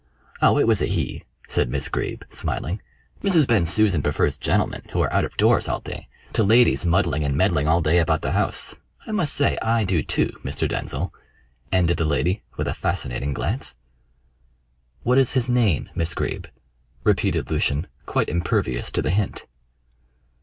"Oh, it was a 'he,'" said Miss Greeb, smiling. "Mrs. Bensusan prefers gentlemen, who are out of doors all day, to ladies muddling and meddling all day about the house. I must say I do, too, Mr. Denzil," ended the lady, with a fascinating glance. "What is his name, Miss Greeb?" repeated Lucian, quite impervious to the hint.